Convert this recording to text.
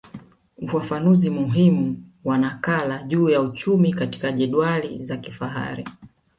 Ufafanuzi muhimu wa nakala juu ya uchumi katika jedwali za kifahari